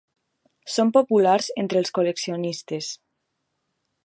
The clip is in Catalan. Són populars entre els col·leccionistes.